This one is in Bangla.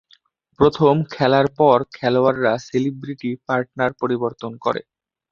প্রথম খেলার পর খেলোয়াড়রা সেলিব্রিটি পার্টনার পরিবর্তন করে।